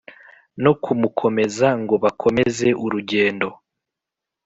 no kumukomeza ngo bakomeze urugendo.